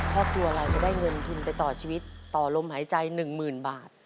พ่อดัวเราจะได้เงินน์พิวน์ไปต่อชีวิตต่อลมหายใจหนึ่งหมื่นบาท